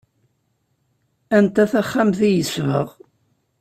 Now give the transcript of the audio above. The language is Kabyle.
Anta taxxamt i yesbeɣ?